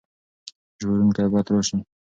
ژغورونکی باید راشي.